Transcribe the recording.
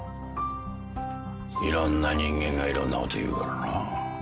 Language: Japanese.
いろんな人間がいろんなこと言うからな。